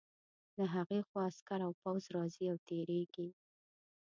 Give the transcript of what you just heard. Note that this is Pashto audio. له هغې خوا عسکر او پوځ راځي او تېرېږي.